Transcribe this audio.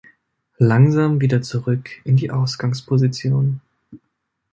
Langsam wieder zurück in die Ausgangsposition.